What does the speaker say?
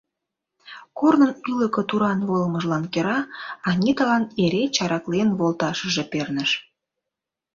Корнын ӱлыкӧ туран волымыжлан кӧра Аниталан эре чараклен волташыже перныш.